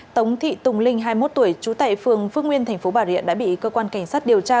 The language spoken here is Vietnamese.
tống thị tùng linh hai mươi một tuổi trú tại phường phước nguyên tp bảo điện đã bị cơ quan cảnh sát điều tra